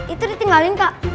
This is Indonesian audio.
itu ditinggalin kak